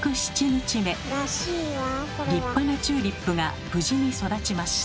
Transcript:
立派なチューリップが無事に育ちました。